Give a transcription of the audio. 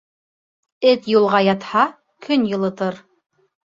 Эт юлға ятһа, көн йылытыр.